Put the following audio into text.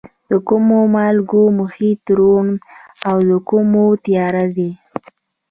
د کومو مالګو محیط روڼ او د کومو تیاره دی؟